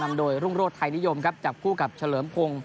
นำโดยรุ่งโรธไทยนิยมครับจับคู่กับเฉลิมพงศ์